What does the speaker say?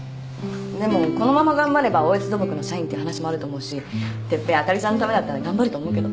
でもこのまま頑張れば大悦土木の社員って話もあると思うし哲平あかりちゃんのためだったら頑張ると思うけど。